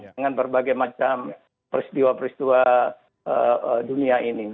dengan berbagai macam peristiwa peristiwa dunia ini